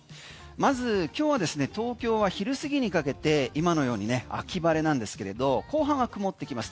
まず今日はですね東京は昼過ぎにかけて今のようにね秋晴れなんですけれど後半は曇ってきます。